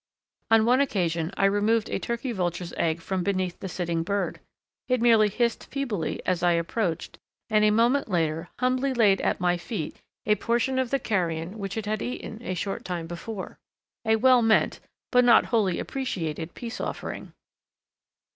On one occasion I removed a Turkey Vulture's egg from beneath the sitting bird. It merely hissed feebly as I approached, and a moment later humbly laid at my feet a portion of the carrion which it had eaten a short time before a well meant but not wholly appreciated peace offering.